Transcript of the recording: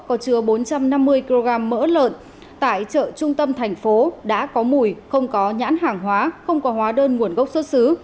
có chứa bốn trăm năm mươi kg mỡ lợn tại chợ trung tâm thành phố đã có mùi không có nhãn hàng hóa không có hóa đơn nguồn gốc xuất xứ